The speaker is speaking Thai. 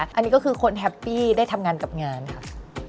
อันนี้ก็คือคนแฮปปี้ได้ทำงานกับงานค่ะ